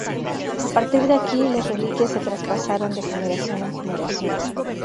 A partir de aquí, las reliquias se traspasaron de generación en generación.